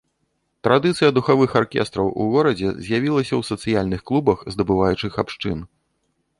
Традыцыя духавых аркестраў у горадзе з'явілася ў сацыяльных клубах здабываючых абшчын.